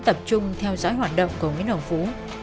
tập trung theo dõi hoạt động của nguyễn hồng phú